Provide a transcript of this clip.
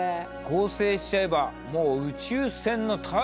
合成しちゃえばもう宇宙船の隊員よ。